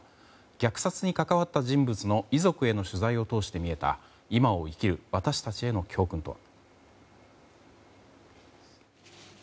虐殺に関わった人物の遺族への取材を通して見えた今を生きる私たちへの教訓とは。